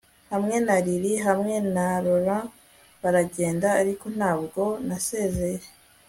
hamwe na lili hamwe na laurel baragenda; ariko ntabwo nasezeye